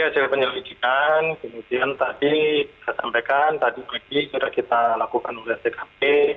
hasil penyelidikan kemudian tadi saya sampaikan tadi pagi sudah kita lakukan oleh tkp